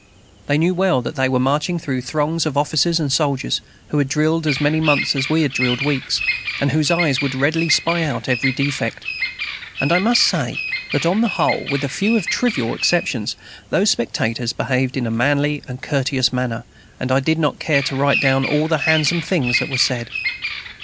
They knew well that they were marching through throngs of officers and soldiers who had drilled as many months as we had drilled weeks, and whose eyes would readily spy out every defect. And I must say, that, on the whole, with a few trivial exceptions, those spectators behaved in a manly and courteous manner, and I do not care to write down all the handsome things that were said.